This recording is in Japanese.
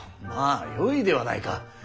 まあよいではないか。